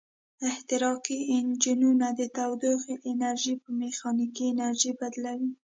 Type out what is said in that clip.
احتراقي انجنونه د تودوخې انرژي په میخانیکي انرژي بدلوي.